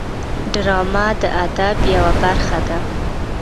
ډرامه د ادب یوه برخه ده